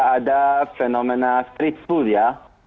ini adalah fenomena street school ya